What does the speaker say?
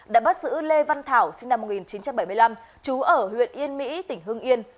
đã bắt giữ lê văn thảo sinh năm một nghìn chín trăm bảy mươi năm trú ở huyện yên mỹ tỉnh hưng yên